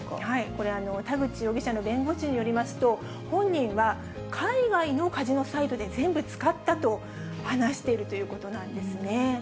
これ、田口容疑者の弁護士によりますと、本人は海外のカジノサイトで全部使ったと話しているということなんですね。